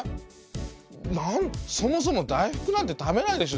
なんそもそも大福なんて食べないでしょ